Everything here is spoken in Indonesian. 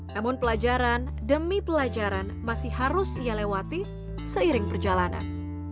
namun pelajaran demi pelajaran masih harus ia lewati seiring perjalanan